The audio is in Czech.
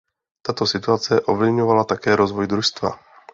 Tato situace ovlivňovala také rozvoj družstva.